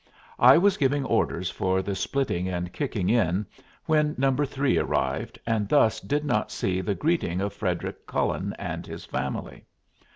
I was giving orders for the splitting and kicking in when No. 3 arrived, and thus did not see the greeting of Frederic Cullen and his family.